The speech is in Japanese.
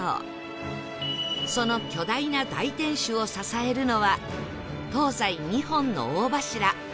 その巨大な大天守を支えるのは東西２本の大柱